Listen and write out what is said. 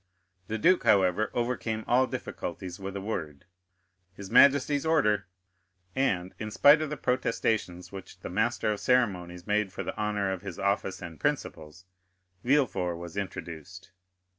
The duke, however, overcame all difficulties with a word—his majesty's order; and, in spite of the protestations which the master of ceremonies made for the honor of his office and principles, Villefort was introduced.